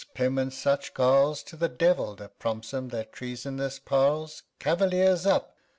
Pym and such carles To the Devil that prompts 'em their treasonous parles! Cavaliers, up!